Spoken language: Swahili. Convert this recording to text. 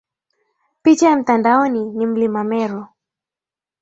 Picha ya Mtandaoni ni Mlima Meru